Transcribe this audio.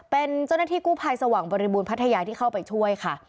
เป็นเจ้าหน้าที่กู้ภัยสว่างบริบูรณพัทยาที่เข้าไปช่วยค่ะ